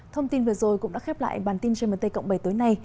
thông tin vừa rồi cũng đã khép lại bản tin trên mnt cộng bày tối nay